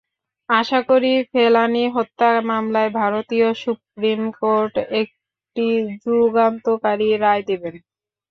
আশা করি, ফেলানী হত্যা মামলায় ভারতীয় সুপ্রিম কোর্ট একটি যুগান্তকারী রায় দেবেন।